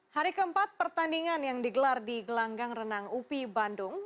hari keempat pertandingan yang digelar di gelanggang renang upi bandung